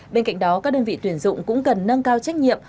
bên cạnh đó các đơn vị tuyển dụng cũng cần nâng cao trách nhiệm